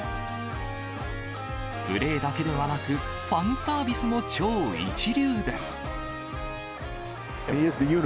プレーだけではなく、ファンサービスも超一流です。